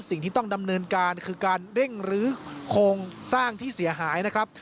สิ่งที่ต้องดำเนินการคือการเร่งรื้อโครงสร้างที่เสียหายนะครับ